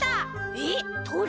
えっとり？